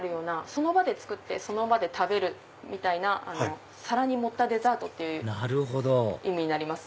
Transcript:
その場で作ってその場で食べるみたいな皿に盛ったデザートになります。